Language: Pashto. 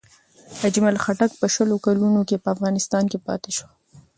اجمل خټک په شل کلونو کې په افغانستان کې پاتې شو.